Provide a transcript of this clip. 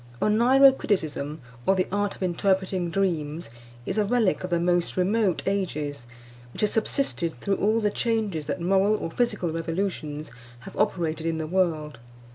ONEIRO CRITICISM, or the art of interpreting dreams, is a relic of the most remote ages, which has subsisted through all the changes that moral or physical revolutions have operated in the world.